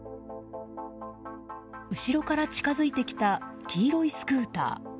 後ろから近付いてきた黄色いスクーター。